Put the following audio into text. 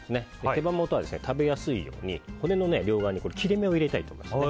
手羽元は食べやすいように骨の両側に切れ目を入れたりとか。